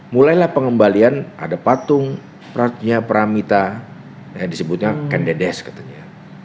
mulailah pengembalian ada patung pramita disebutnya kendedes katanya